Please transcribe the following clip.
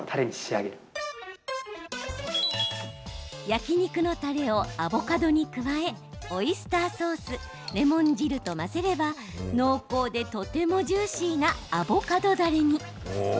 焼き肉のたれをアボカドに加えオイスターソースレモン汁と混ぜれば濃厚で、とてもジューシーなアボカドだれに。